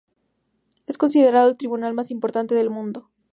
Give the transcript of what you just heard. Es considerado el tribunal más importante del mundo.